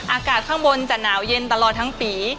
อากาศข้างบนจะหนาวเย็นตลอดทั้งปี